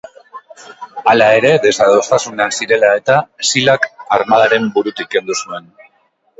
Hala ere, desadostasunak zirela eta, Silak armadaren burutik kendu zuen.